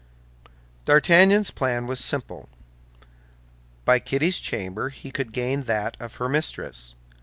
D'Artagnan's plan was very simple. By Kitty's chamber he could gain that of her mistress.